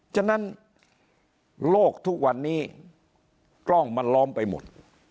ฉะนั้นโลกทุกวันนี้กล้องมันล้อมไปหมด